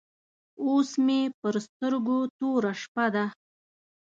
اوس مې پر سترګو توره شپه ده.